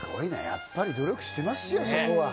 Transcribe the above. やっぱり努力してますよ、そこは。